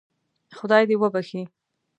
خدای دې وبخښي.